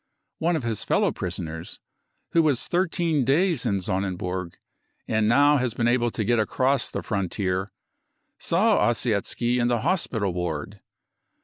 One of his fellow prisoners, who was thir teen days in Sonnenburg and now has been able to get across the frontier, saw Ossietzky in the hospital ward.